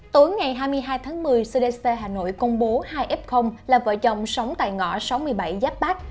tối ngày hai mươi hai tháng một mươi cdc hà nội công bố hai f là vợ chồng sống tại ngõ sáu mươi bảy giáp bát